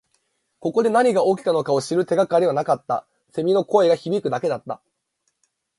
ここで何が起きたのかを知る手がかりはなかった。蝉の声が響くだけだった。